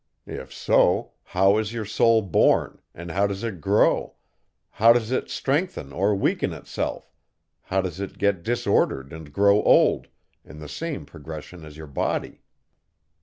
If so, how is your soul born, and how does it grow, how does it strengthen or weaken itself, how does it get disordered and grow old, in the same progression as your body?